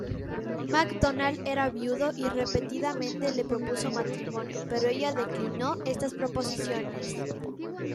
MacDonald era viudo y repetidamente le propuso matrimonio, pero ella declinó estas proposiciones.